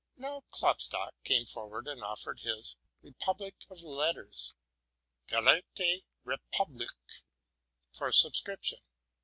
Now Klopstock came forward, and offered his '* Republic of Letters ''( Gelehrten Republik '') for subscription.